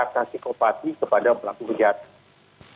dan menyebutkan psikopati sebagai pelaku kejahatan